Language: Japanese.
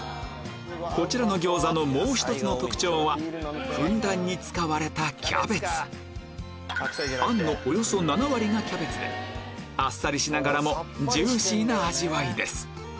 こちらの餃子のもう一つの特徴はふんだんに使われたキャベツであっさりしながらもジューシーな味わいです